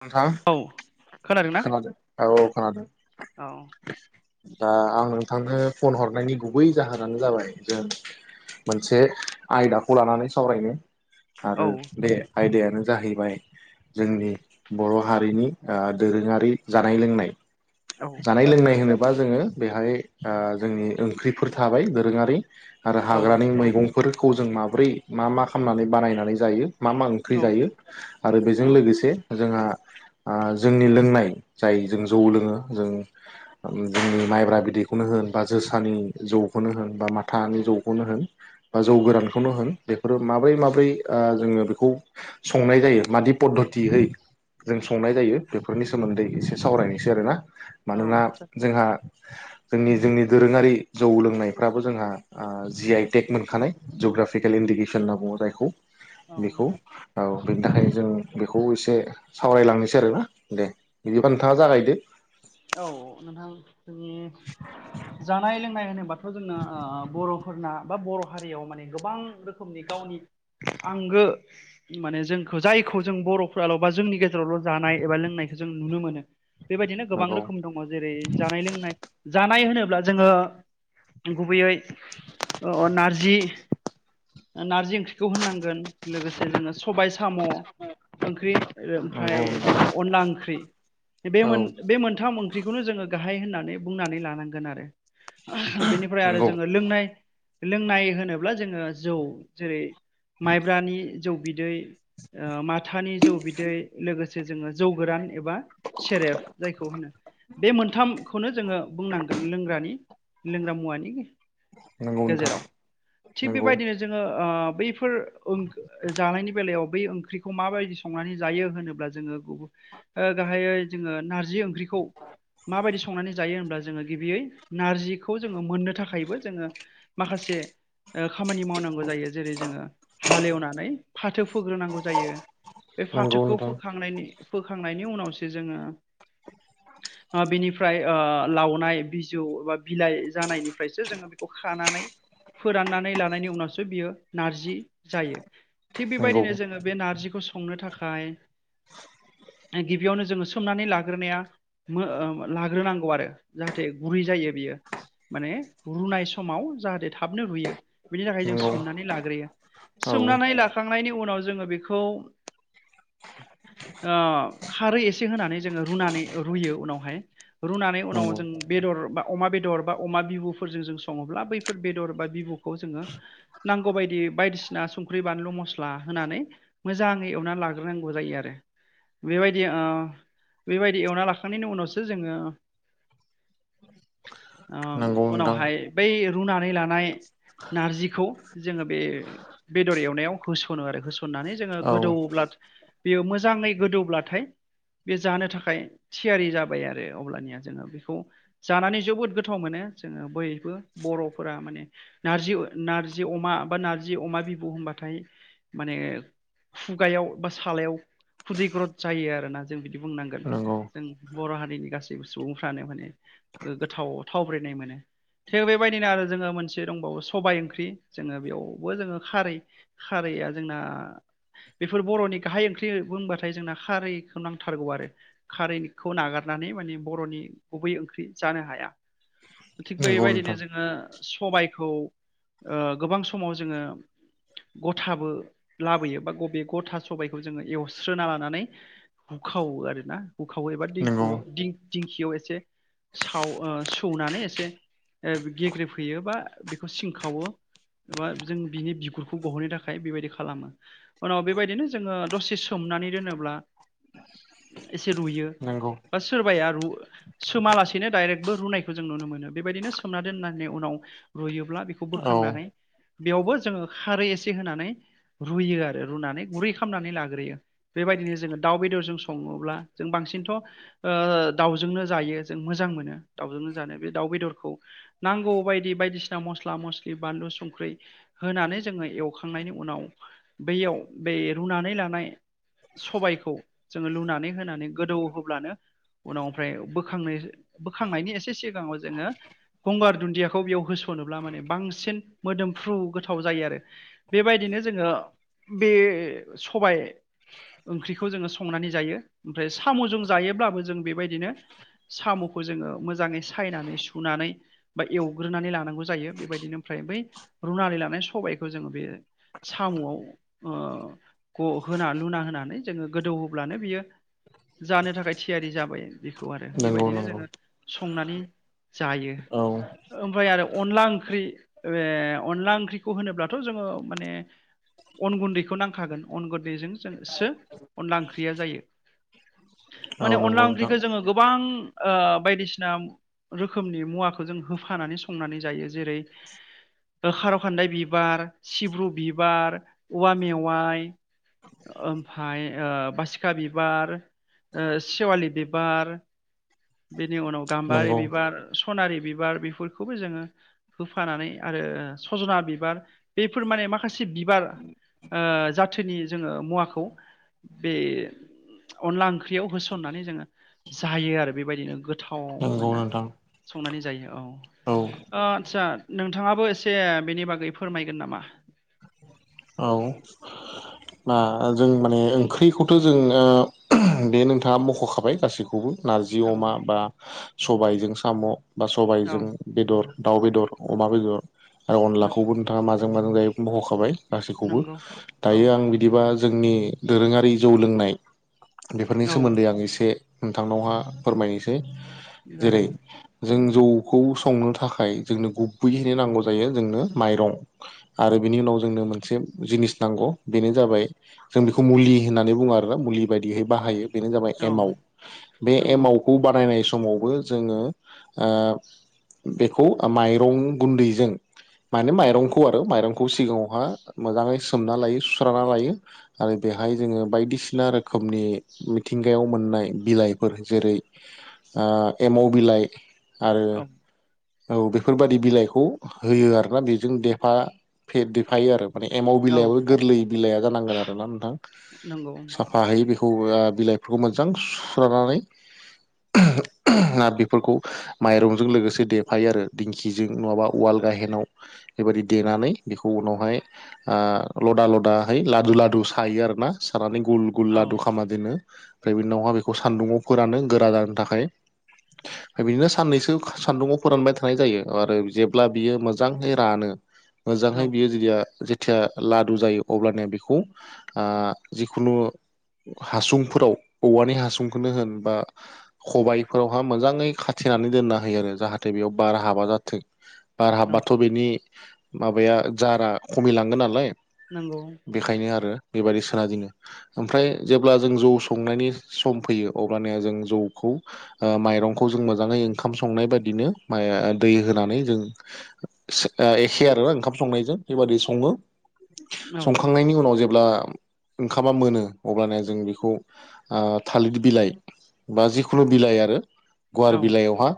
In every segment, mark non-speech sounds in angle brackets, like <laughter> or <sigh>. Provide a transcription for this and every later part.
नोंथां औ खोनादोंना खोनादों औ खोनादों औ ओ आं नोंथांनो फन हरनायनि गुबै जाहोनानो जाबाय जों मोनसे आयदाखौ लानानै सावरायनो आरो औ बे आयदायानो जाहैबाय जोंनि बर' हारिनि ओ दोरोङारि जानाय लोंनाय औ जानाय जागोन लोंनाय नोंथां होनोबा जोङो बेहाय ओ जोंनि ओंख्रिफोर थाबाय दोरोङारि आरो औ हाग्रानि मैगंफोरखौ जों माब्रै मा मा खालामनानै बानायनानै जायो। मा मा ओंख्रि औ जायो आरो बेजों लोगोसे जोंहा ओ जोंनि लोंनाय जाय जों जौ लोङो जों जोंनि माइब्रा बिदैखौनो होनबा जोसानि जौखौनो होनबा मा थानि औ जौखौनो होन बा जौ गोरानखौनो होन बेफोरो माबोरै माबोरै ओ जोङो बेखौ संनाय जायो मादि पद्धतयै जों संनाय जायो बेफोरनि सोमोन्दै एसे सावरायनायसै आरोना औ मानोना जोंहा जोंनि जोंनि दोरोङारि जौ लोंनायफ्राबो जोंहा ओ जि आइ टेक मोनखानाय जग्राफिकेल इन्डिकेसन होनना बुङो जायखौ औ बेखौ औ बेनि थाखाय जों बेखौ एसे सावरायलांनोसै आरोना दे बिदिबा नोंथाङा जागायदो औ नोंथां जोंनि जानाय लोंनाय होनोब्ला थ' जोंना ओ बर'फोरना बा बर' हारियाव माने गोबां रोखोमनि गावनि आंगो माने जोंखौ जायखौ जों बर'फ्राल' बा जोंनि गेज जेरावल' जानाय एबा लोंनायखौ जों नुनो मोनो बेबायदिनो गोबां नंगौ रोखोम दङ जेरै जानाय लोंनाय जानाय होनोब्ला जोङो गुबैयै ओ अ नारजि नारजि ओंख्रि खौ होननांगोन लोगोसे जोङो सबाय साम' ओंख्रि ओ ओमफ्राय नंगौ जोङो अनला ओंख्रि बे औ मोन बे मोनथाम ओंख्रिखौनो जोङो गाहाय होननानै बुंनानै लानांगोन आरो <unintelligible> बेनिफ्राय आरो नंगौ जोङो लोंनाय लोंनाय होनोब्ला जोङो जौ जेरै माइब्रानि जौ बिदै ओ माथानि जौ बिदै लोगोसे जोङो जौ गोरान एबा सेरेफ जायखौ होनो बे मोनथामखौनो जोङो बुंनांगोन लोंग्रानि लोंग्रा मुवानि नोंगौ नोंथां गेजेराव थिग नंगौ बेबायदिनो जोङो ओ बैफोर ओं ओ जानायनि बेलायाव बै ओंख्रि खौ माबायदि संनानै जायो होनोब्ला जोङो गुब ओ गाहायै जोङो नारजि ओंख्रिखौ माबायदि संनानै जायो होनब्ला जोङो गिबियै नारजिखौ जोङो मोननो थाखायबो जोङो माखासे ओ खामानि मावनांगौ जायो जेरै जोङो हालेवनानै फाथो फोग्रोनांगौ जायो। बे नंगौ फाथोखौ नोंथां फोखांनायनि फोखांनायनि उनावसो जोङो <inaudible> ओ बेनिफ्राय ओ लावनाय बिजौ बा बिलाइ जानायनिफ्रायसो जोङो बिखौ खानानै फोराननानै लानायनि उनावसो बियो नारजि जायो थिग नंगौ बेबायदिनो जोङो बे नारजिखौ संनो थाखाय ओ गिबियावनो जोङो सोमनानै लाग्रोनाया मो ओ लाग्रोनांगौ आरो जाहाथे गुरै जायो बियो माने रुनाय समाव जाहाथे थाबनो रुयो बिनि थाखाय जों नंगौ सोमनानै लाग्रोयो औ सोमनानै लाखांनायनि उनाव जोङो बेखौ ओ खारै एसे होनानै जोङो रुनानै रुयो उनावहाय रुनानै उनाव नंगौ जों बेदर बा अमा बेदर बा अमा बिबुफोरजों जों सङोब्ला बैफोर बेदर बा बिबु खौ जोङो नांगौ बायदियै बायदिसिना संख्रि, बानलु, मस्ला होनानै मोजाङै एवनानो लाग्रोनांगौ जायो आरो बेबायदि ओ दि एवना लाखांनायनि उनावसो जोङो ओम नंगौ नोंथां उनावहाय बै रुनानै लानाय नारजिखौ जोङो बे बेदर एवनायाव होसनो आरो होसननानै जोङो औ गोदौब्ला बेयो मोजाङै गोदौब्लाथाय बे जानो थाखाय थियारि जाबाय आरो अब्लानिया जोङो बेखौ जानानै जोबोद गोथाव मोनो जोङो बयबो बर'फोरा माने नारजि ओ नारजि अमा बा नारजि अमा बिबौ होनबाथाय माने खुगायाव बा सालायाव खुदैग्रद जायो आरोना जों बिदि बुंनांगोन नंगौ जों बर' हारिनि गासैबो सुबुंफ्रानो माने ओ गोथाव थावब्रनाय मोनो थे बेबायदिनो आरो जोङो मोनसे दंबावो सबाय ओंख्रि जोङो बेयावबो जोङो खारै खारैया जोंना बेफोर बर'नि गाहाय ओंख्रि बुंबाथाय जोंना खारैखौ नांथारगौ आरो खारैखौ नागारनानै माने बर'नि गुबै ओंख्रि जानो हाया थिग नंगौ बेबायदिनो नोंथां जोङो सबायखौ ओ गोबां समाव जोङो गथाबो लाबोयो बा बबे गथा सबायखौ जोङो एवस्रोना लानानै हुखावो आरो ना हुखावो एबा नंगौ दिंखौआव दिं- दिंखियाव एसे साव ओ सौनानै एसे ओ गेग्रेबहैयो बा बेखौ सिं खावो एबा जों बिनि बिगुरखौ गहोनो थाखाय बेबायदि खालामो उनाव बेबायदिनो जोङो दसे सोमनानै दोनोब्ला एसे रुयो नंगौ बा सोरबाया रु सोमालासेनो दाइरेकबो रुनायखौ जों नुनो मोनो बेबायदिनो सोमना दोननायनि उनाव। रुयोब्ला बेखौ औ बोखांनानै बेयावबो जोङो खारै एसे होनानै रुयो आरो रुनानै गुरै खालामनानै लाग्रोयो बेबायदिनो जोङो दाउ बेदरजों सङोब्ला जों बांसिनथ' ओ दाउजोंनो जायो जों मोजां मोनो दाउजोंनो जानो बे दाउ बेदरखौ नांगौ बायदि बायदिसिना मस्ला मस्लि बानलु संख्रि होनानै जोङो एवखांनायनि उनाव बैयाव बै रुनानै लानाय सबायखौ जोङो लुनानै होनानै गोदौ होब्लानो उनाव ओमफ्राय बोखांनाय बोखांनायनि एसे सिगाङाव जोङो गंगार दुन्दियाखौ बेयाव होस'नोब्ला माने बांसिन मोदोमफ्रु गोथाव जायो आरो। बेबायदिनो जोङो बे सबाय ओंख्रिखौ जोङो संनानै जायो ओमफ्राय साम'जों जायोब्लाबो जों बेबायदिनो साम'खौ जोङो मोजाङै सायनानै सुनानै बा एवग्रोनानै लानांगौ जायो बेबायदिनो ओमफ्राय बै रुनानै लानाय सबायखौ जोङो बे साम'आव ओ ग होना लुना होनानै जोङो गोदौ होब्लानो बियो जानो थाखाय थियारि जाबाय बेखौ आरो नंगौ बेबायदिनो नंगौ जोङो संनानै जायो औ ओमफ्राय आरो अनला ओंख्रि ए अनला ओंख्रिखौ होनोब्लाथ' जोङो माने अन गुन्दैखौ नांखागोन अन गुन्दैजों जोंसो अनला ओंख्रिया जायो। औ माने नंगौ अनला नोंथां ओंख्रिखौ जोङो गोबां ओ बायदिसिना रोखोमनि मुवाखौ जों होफानानै संनानै जायो जेरै ओ खार' खान्दाय बिबार सिब्रु बिबार औवा मेवाइ ओमफ्राय ओ बासिखा बिबार ओ सेवालि बिबार। बिनि उनाव गाम्बारि नंगौ बिबार सनारि बिबार बेफोरखौबो जोङो होफानानै आरो सजना बिबार बेफोर माने माखासे बिबार ओ जाथोनि जोङो मुवाखौ बे अनला ओंख्रियाव होसननानै जोङो जायो आरो बेबायदिनो गोथाव नंगौ मोनो। नोंथां संनानै जायो औ। अ आदसा नोंथाङाबो एसे बेनि बागै फोरमायगोन नामा? औ। बा जों माने ओंख्रिखौथ' जों ओ बे नोंथाङा मख'खाबाय गासैखौबो। नारजि औ अमा बा सबायजों साम' बा औ सबायजों बेदर दाउ बेदर अमा बेदर आरो अनलाखौबो नंगौ नोंथाङा माजों माजों जायो मख'खाबाय। गासैखौबो नंगौ औ दायो आं बिदिबा जोंनि दोरोङारि जौ लोंनाय बेफोरनि औ सोमोन्दै आं एसे नोंथांनावहा फोरमायनोसै जेरै जागोन जों जौखौ संनो थाखाय जोंनो गुबैहैनो नांगौ जायो जोंनो माइरं। आरो बिनि उनाव जोंनो मोनसे जिनिस नांगौ बेनो जाबाय जों बेखौ मुलि होननानै बुङो आरोना मुलि बायदियै बाहायो। बेनो जाबाय औ एमाव बे नंगौ एमावखौ बानायनाय समावबो जोङो ओ बेखौ ओ माइरं गुन्दैजों माने माइरंखौ आरो माइरंखौ सिगाङावहा मोजाङै सोमना लायो सुस्राना लायो। आरो बेहाय जोङो बायदिसिना रोखोमनि मिथिंगायाव मोननाय बिलाइफोर जेरै ओ एमाव बिलाइ। आरो औ औ बेफोरबादि बिलाइखौ होयो आरोना बेजों देफा फे देफायो आरो। माने एमाव औ बिलाइयाबो गोरलै बिलाइआ जानांगोन आरोना नोंथां नंगौ सा फाहैयो बेखौ ओ बिलाइफोरखौ मोजां सुस्रानानै आ बेफोरखौ माइरंजों लोगोसे देफायो आरो। खिजों नङाबा उवाल गाहेनाव बेबायदि देनानै बेखौ उनावहाय लदा लदा लादु लादु सायो आरोना सानानै गुल गुल औ लादु खामा बिदिनो ओमफ्राय बे उनावहा बेखौ सान्दुङाव फोरानो गोरा जानो थाखाय। बिदिनो साननैसो सान्दुंङाव फोरानबाय थानाय जायो आरो जेब्ला बियो मोजाङै रानो मोजांहै औ बियो जुदिया जेथिया लादु जायो अब्लानिया बेखौ जिखुनु हासुंफोराव औवानि हासुंखौनो होन बा खबाइफोरावहा मोजाङै खाथेनानै दोनना होयो आरो जाहाथे बेयाव बार हाबा जाथों बार औ हाबबाथ' बेनि माबाया जारा खमिलांगोन नालाय नंगौ बेखायनो आरो बेबायदि सोना जोङो ओमफ्राय जेब्ला जों जौ संनायनि सम फैयो अब्लानाया जों जौखौ माइरंखौ जों मोजाङै ओंखाम संनाय बायदिनो मा दै होनानै जों एखे आरोना ओंखाम संनायजों बेबादि सङो औ संखांनायनि उनाव जेब्ला ओंखामा मोनो अब्लाना जों बेखौ थालिर बिलाइ बा जिखुनु बिलाइ आरो गुवार औ बिलाइयावहा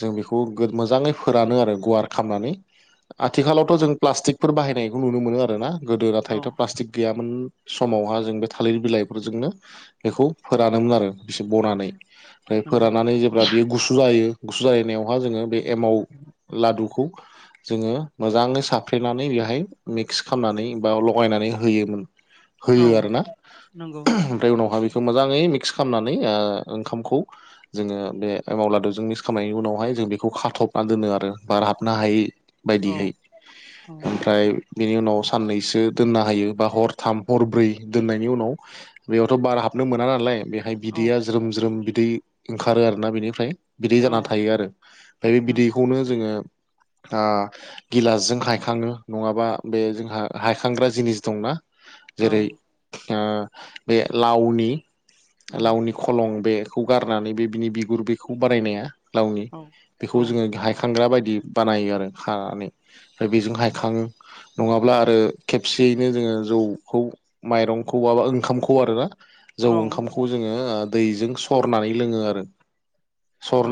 जों बेखौ मोजाङै फोरानो आरो गुवार खालामनानै आथिखालावथ' जों प्लास्टिकफोर बाहायनायखौ नुनो मोनो आरोना गोदो औ नाथायथ' प्लास्टिक गैयामोन समावहा जों बे थालिर बिलाइफोरजोंनो बेखौ फोरानोमोन आरो बेसे बनानै ओमफ्राय नंगौ फोराननानै जेब्ला बियो गुसु जायो गुसु जालायनायावहा जोङो बे एमाव लादुखौ जोङो मोजाङै साफ्रेनानै बेहाय मिक्स खालामनानै बा लगायनानै होयोमोन औ होयो आरोना। नंगौ ओमफ्राय उनावहा बेखौ मोजाङै मिक्स खालामनानै ओंखामखौ जोङो बे एमाव लादुजों मिक्स खालामनायनि उनावहाय जों बेखौ खाथबना दोनो आरो बार हाबनो हायै औ बायदिहै औ ओमफ्राय बिनि उनाव साननै दोननो हायो बा हरथाम हरब्रै दोननायनि उनाव बेयावथ' बारा हाबनो मोना नालाय बेखाय औ बिदैया ज्रोम ज्रोम बिदै ओंखारो आरोना बिनिफ्राय। बिदै औ जाना थायो आरो ओमफ्राय बे नंगौ बिदैखौनो जोङो गिलासजों हायखाङो नङाबा बे जोंहा हायखांग्रा जिनिस दंना औ जेरै बे लावनि औ लावनि खलं बेखौ गारनानै बे बिनि बिगुर बेखौ बारायनाया लावनि बेखौ औ औ जोङो गाहाय हायखांग्रा बायदि बानायो आरो खानानै ओमफ्राय बेजों हायखाङो नङाब्ला आरो खेबसेयैनो जोङो जौखौ माइरंखौ बाबा ओंखामखौ आरोना जौ औ ओंखाम खौ जोङो दैजों सरनानै लोङो आरो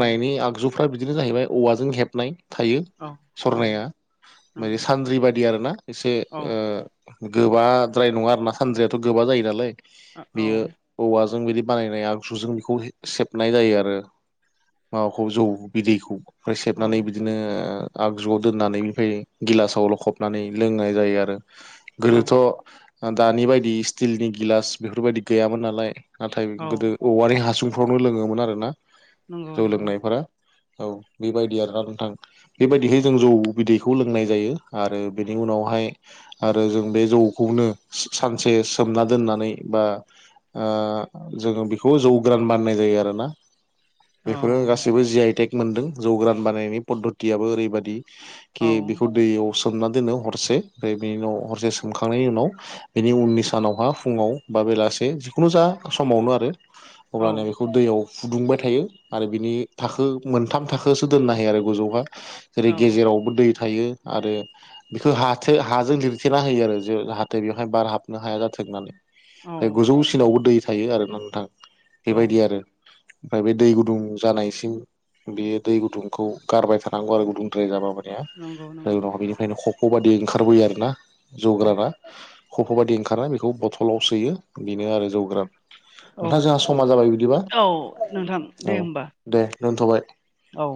औ आगजु फ्रा बिदिनो जाहैबाय औवाजों हेबनाय थायो औ औ सरनाया नंगौ ओ सानद्रि बादि आरोना एसे औ ओ गोबाद्राय नङा आरोना सानद्रियाथ' गोबा जायो नालाय औ बेयो औवाजों बिदि बानायनाय आगजुजों बेखौ सेबनाय जायो आरो। माबाखौ जौ बिदैखौ ओमफ्राय औ सेबनानै बिदिनो आगजुआव दोननानै ओमफ्राय गिलासाव लखबनानै लोंनाय जायो आरो आरो औ गोदोथ' दानि बायदि स्टिलनि गिलास बेफोरबायदि गैयामोन नालाय नाथाय औ गोदो औवानि हासुंफ्रावनो लोङोमोन आरोना नंगौ जौ नंगौ लोंनायफोरा औ बेबायदि आरोना नोंथां बेबायदिहै जों जौ बिदैखौ लोंनाय जायो आरो बेनि उनावहाय आरो जों बे जौखौनो सानसे सोमना दोननानै बा जोङो बेखौ जौगोरान मानिनाय जायो आरोना। औ बेफोरो गासैबो जि आइ टेक मोनदों जौ गोरान बानायनाय पद्धतयाबो ओरैबादि खि औ बेखौ दैयाव सोमना दोनो हरसे ओमफ्राय बेनि उनाव हरसे सोमखांनायनि उनाव बेनि उननि सानावहा फुङाव बा बेलासे जिखुनु जा समावनो आरो औ अब्लानो बेखौ दैयाव फुदुंबाय थायो आरो बिनि थाखो मोनथाम थाखोसो दोननो हायो आरो गोजौआवहा। जेरै औ गेजेरावबो दै थायो आरो बेखौ हा थो हाजों लिरथेना होयो आरो जे जाहाथे बेवहाय बार हाबनो हाया जाथों होननानै। औ ओमफ्राय नंगौ गोजौसिनावबो दै थायो आरोना नोंथां औ बेबायदि आरो ओमफ्राय बे दै गुदुं जानायसिम बेयो दै गुदुंखौ गारबाय थानांगौ आरो गुदुंद्राय जाबा ओमफ्राय नंगौ नंगौ उनाव बेनिखायनो खफ' बायदि ओंखारबोयो आरोना जौ औ गोराना‌ खफ' बायदि ओंखारनाय बेखौ बथलाव सोयो बेनो आरो जौ गोरान। औ नोंथां जोंहा समा जाबाय बिदिबा औ नोंथां औ दे होमबा दे दोनथ'बाय। औ।